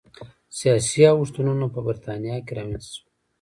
سیاسي اوښتونونه په برېټانیا کې رامنځته شول.